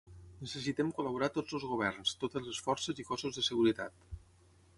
Necessitem col·laborar tots els governs, totes les forces i cossos de seguretat.